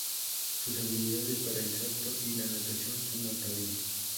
Sus habilidades para el salto y la natación son notables.